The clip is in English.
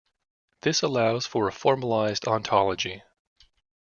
This allows for a formalized ontology.